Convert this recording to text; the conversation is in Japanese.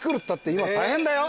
今大変だよ。